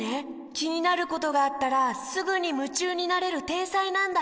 きになることがあったらすぐにむちゅうになれるてんさいなんだ！